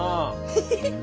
フフフッ